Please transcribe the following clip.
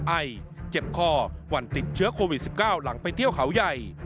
ไอเจ็บคอวันติดเชื้อโควิด๑๙หลังไปเที่ยวเขาใหญ่